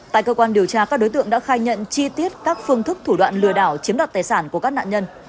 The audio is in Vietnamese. tại cơ quan điều tra các đối tượng đã khai nhận chi tiết các phương thức thủ đoạn lừa đảo chiếm đoạt tài sản của các nạn nhân